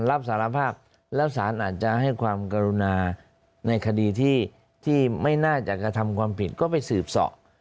รับสารภาพแล้วสารอาจจะให้ความกรุณาในคดีที่ไม่น่าจะกระทำความผิดก็ไปสืบสอบ